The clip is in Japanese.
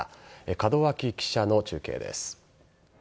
門脇記者の中継です。